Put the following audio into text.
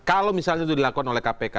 kalau misalnya itu dilakukan oleh kpk